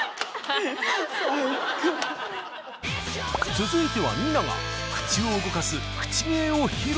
続いてはＮＩＮＡが口を動かす口芸を披露。